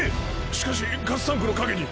しかしガスタンクの陰に。